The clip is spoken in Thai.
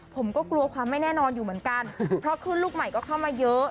เพราะเข้ารุ่นใหม่ก็เข้ามาเยอะ